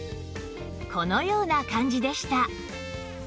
このような感じでした